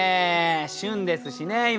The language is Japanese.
旬ですしね今ね。